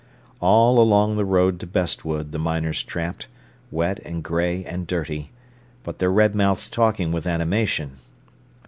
All along the road to Bestwood the miners tramped, wet and grey and dirty, but their red mouths talking with animation.